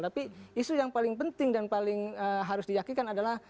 tapi isu yang paling penting dan paling harus diyakinkan adalah